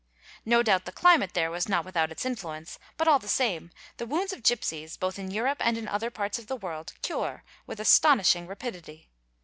No doubt the climate there was not without its influence, but all the same the wounds of gipsies, both in Europe and in other parts of the world, cure with astonishing rapidity.